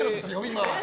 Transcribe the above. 今。